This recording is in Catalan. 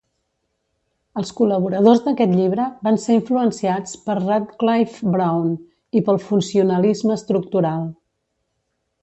Els col·laboradors d'aquest llibre van ser influenciats per Radcliffe-Brown i pel funcionalisme estructural.